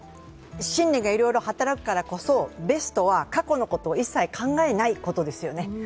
心理がいろいろ働くからこそベストは過去のことを一切考えないことですよね。